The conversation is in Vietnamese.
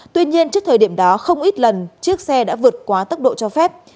tuy nhiên trước thời điểm đó không ít lần chiếc xe đã vượt quá tốc độ cho phép